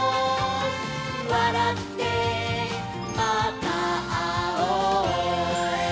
「わらってまたあおう」